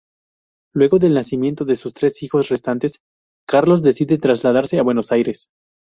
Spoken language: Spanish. Luego del nacimiento de sus tres hijos restantes, Carlos decide trasladarse a Buenos Aires.